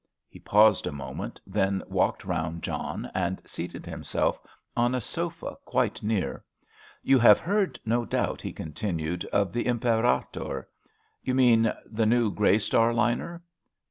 He paused a moment, then walked round John, and seated himself on a sofa quite near. "You have heard, no doubt," he continued, "of the Imperator——" "You mean the new Grey Star liner?"